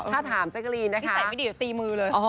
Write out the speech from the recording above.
ถ้าถามเจ๊กกะลีนนะคะนี่ใส่วิดีโอตีมือเลย